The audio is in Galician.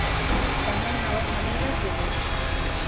Tamén novas maneiras de ler.